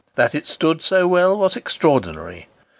That it stood so well was extraordinary.